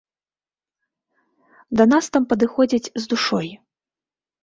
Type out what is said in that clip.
Да нас там падыходзяць з душой.